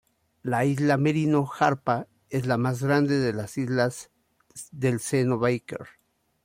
La isla Merino Jarpa es la más grande de las islas del seno Baker.